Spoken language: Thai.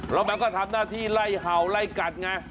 แล้วมันก็ทำหน้าที่ไล่เห่าไล่กัดไง